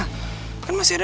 kamu harus ngasih dirima